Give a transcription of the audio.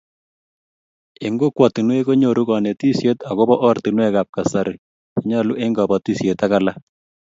Eng kokwatinwek konyoru konetisiet agobo ortinwekab kasari chenyolu eng kobotisiet ak alak